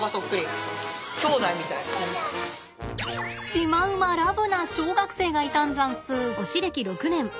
シマウマラブな小学生がいたんざんす。